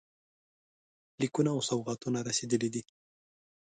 لیکونه او سوغاتونه رسېدلي دي.